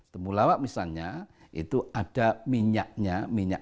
temulawak misalnya itu ada minyaknya minyak